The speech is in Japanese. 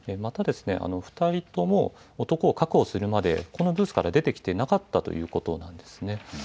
また２人とも２人とも男を確保するまでこのブースから出てこなかったということなんです。